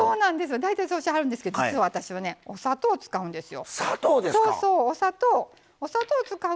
大体そうしはるんですけど実は、私はお砂糖を使うんですよ。